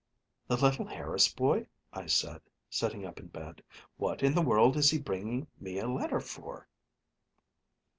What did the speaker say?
"The little Harris boy?" I said, sitting up in bed. "What in the world is he bringing me a letter for?"